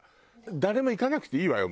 誰も行かなくていいわよ